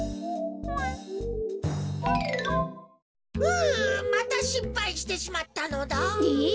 うんまたしっぱいしてしまったのだ。え！？